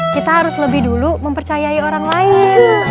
kita harus lebih dulu mempercayai orang lain